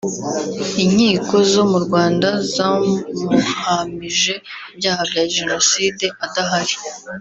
Inkiko zo mu Rwanda zamuhamije ibyaha bya Jenoside adahari